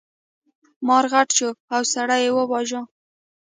مار غټ شو او سړی یې وواژه.